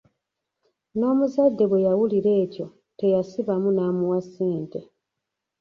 N'omuzadde bwe yawulira ekyo teyasibamu n'amuwa ssente.